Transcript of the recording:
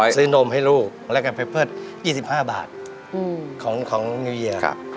ซื้อนมให้ลูกแล้วกันเป็น๒๕บาทของงานเยี่ยม